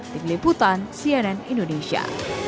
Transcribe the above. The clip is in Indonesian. tim liputan cnn indonesia